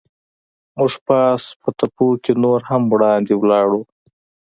موږ پاس په تپو کې نور هم وړاندې ولاړو.